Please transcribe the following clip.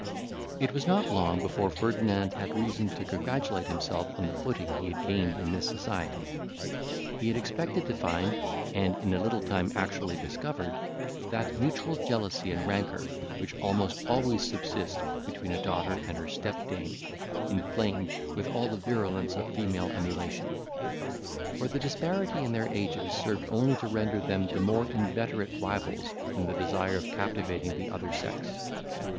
It was not long before Ferdinand had reason to congratulate himself on the footing he had gained in this society. He had expected to find, and in a little time actually discovered, that mutual jealousy and rancour which almost always subsist between a daughter and her step dame, inflamed with all the virulence of female emulation; for the disparity in their ages served only to render them the more inveterate rivals in the desire of captivating the other sex.